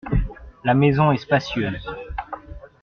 La maison est spacieuse.